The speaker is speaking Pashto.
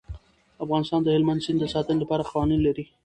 افغانستان د هلمند سیند د ساتنې لپاره قوانین لري.